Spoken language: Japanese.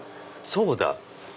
そうだ！